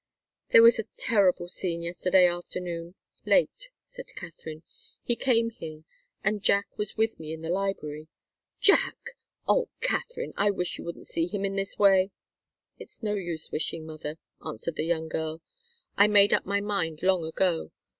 "There was a terrible scene yesterday afternoon late," said Katharine. "He came here, and Jack was with me in the library." "Jack! Oh, Katharine! I wish you wouldn't see him in this way " "It's no use wishing, mother," answered the young girl. "I made up my mind long ago.